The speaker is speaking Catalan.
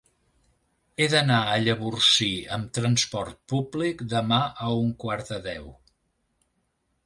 He d'anar a Llavorsí amb trasport públic demà a un quart de deu.